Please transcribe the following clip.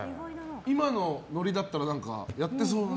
今のノリだったらやってそうな。